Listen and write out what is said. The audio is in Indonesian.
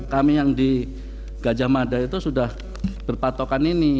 kami yang di gajah mada itu sudah berpatokan ini